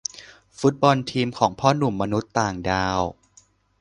ฟุตบอล ทีมของพ่อหนุ่มมนุษย์ต่างดาว